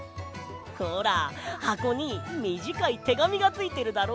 ほらはこにみじかいてがみがついてるだろ？